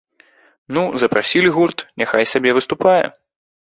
Ну, запрасілі гурт, няхай сабе выступае.